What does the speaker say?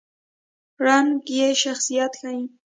رنګ یې شخصیت ښيي.